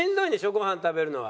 ごはん食べるのは。